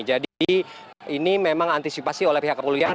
jadi ini memang antisipasi oleh pihak kepolisian